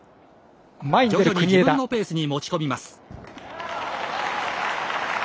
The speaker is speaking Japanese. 徐々に自分のペースに持ち込みます。